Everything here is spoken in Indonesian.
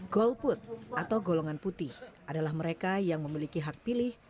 golput atau golongan putih adalah mereka yang memiliki hak pilih